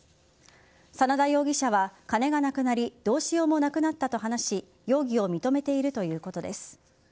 真田容疑者は金がなくなりどうしようもなくなったと話し容疑を認めているということです。